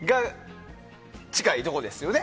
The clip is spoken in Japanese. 近いところですよね